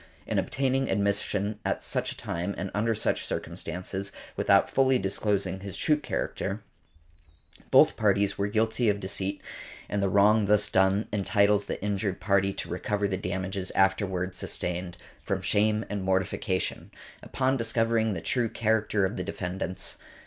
In obtaining admission at such a time and under such circumstances, without fully disclosing his true character, both parties were guilty of deceit, and the wrong thus done entitles the injured party to recover the damages afterward sustained, from shame and mortification, upon discovering the true character of the defendants."